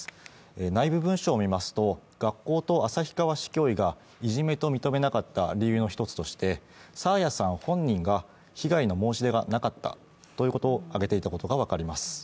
内部文書を見ますと学校と旭川市教委がいじめと認めなかった理由の１つとして、爽彩さん本人が被害の申し出がなかったということを挙げていたことが分かります。